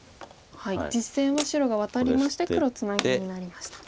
実戦は白がワタりまして黒ツナギになりました。